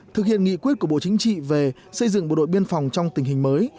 thực hiện nghị quyết của bộ chính trị về xây dựng bộ đội biên phòng trong tình hình mới